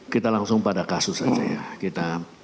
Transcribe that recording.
kita langsung pada kasus saja ya